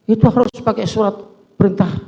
itu harus pakai surat perintah